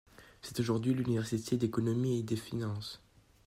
C'est aujourd'hui l'université d'économie et de finances.